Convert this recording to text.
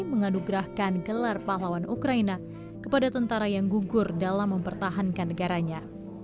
menganugerahkan gelar pahlawan ukraina kepada tentara yang gugur dalam mempertahankan negaranya